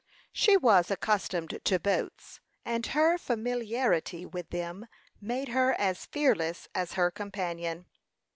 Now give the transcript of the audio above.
She was accustomed to boats, and her familiarity with them made her as fearless as her companion.